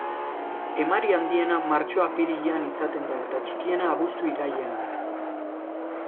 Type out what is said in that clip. Emari handiena martxo-apirilean izaten da eta txikiena abuztu-irailean.